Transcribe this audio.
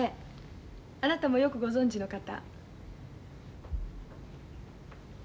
あなたもよくご存じの方。